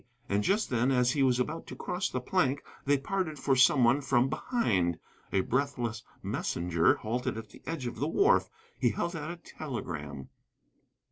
And just then, as he was about to cross the plank, they parted for some one from behind. A breathless messenger halted at the edge of the wharf. He held out a telegram.